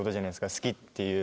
好きっていう。